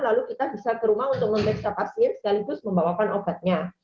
lalu kita bisa ke rumah untuk memeriksa pasir sekaligus membawakan obatnya